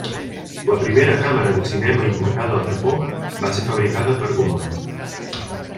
La primera càmera de cinema importada al Japó va ser fabricada per Gaumont.